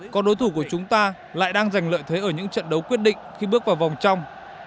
còn đối thủ của chúng ta lại đang giành lợi thế ở những trận đấu quyết định khi bước vào vòng trong